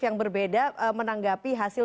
yang berbeda menanggapi hasil